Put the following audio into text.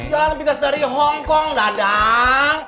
jalan pintas dari hongkong dadang